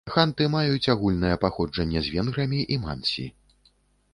Ханты маюць агульнае паходжанне з венграмі і мансі.